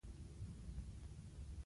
پنېر د افغاني خوراکونو برخه ده.